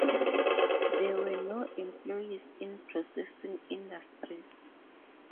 There were no employees in processing industries.